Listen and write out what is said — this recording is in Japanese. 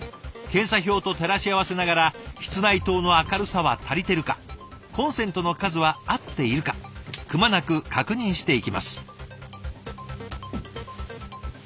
検査表と照らし合わせながら室内灯の明るさは足りてるかコンセントの数は合っているかくまなく確認していきます。